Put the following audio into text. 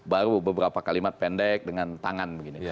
baru beberapa kalimat pendek dengan tangan begini